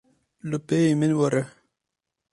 Li pêyî min were.